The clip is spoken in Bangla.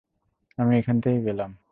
আমি এখান থেকে গেলাম।